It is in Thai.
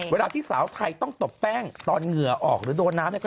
เวลาที่สาวไทยต้องตบแป้งตอนเหงื่อออกหรือโดนน้ำ